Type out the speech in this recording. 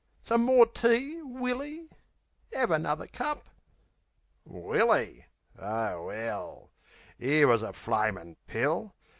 Some more tea, Willy? 'Ave another cup." Willy! O 'ell! 'Ere wus a flamin' pill!